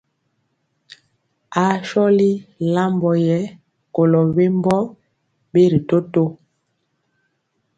Aa sɔli lambɔ yɛ kolɔ wembɔ ɓeri toto.